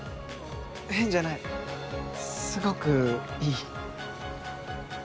変じゃないすごくいい。